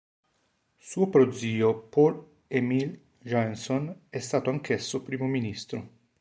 Suo prozio Paul-Émile Janson è stato anch'esso primo ministro.